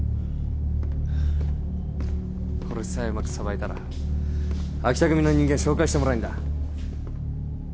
これさえうまくさばいたら秋田組の人間紹介してもらえんだ。